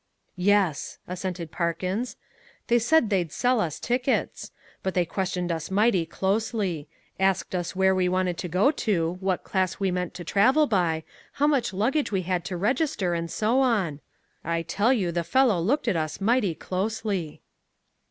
"Yes," assented Parkins. "They said they'd sell us tickets. But they questioned us mighty closely; asked where we wanted to go to, what class we meant to travel by, how much luggage we had to register and so on. I tell you the fellow looked at us mighty closely."